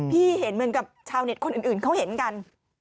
เห็นเหมือนกับชาวเน็ตคนอื่นเขาเห็นกัน